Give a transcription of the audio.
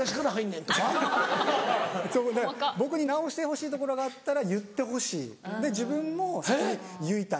僕に直してほしいところがあったら言ってほしいで自分も先に言いたい。